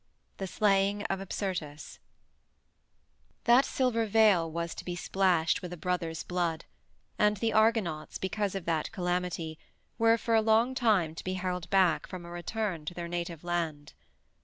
IV. THE SLAYING OF APSYRTUS That silver veil was to be splashed with a brother's blood, and the Argonauts, because of that calamity, were for a long time to be held back from a return to their native land.